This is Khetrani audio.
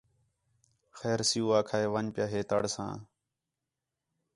خیر سِیُو آکھا ہِے ون٘ڄ پِیا ہے تَڑ ساں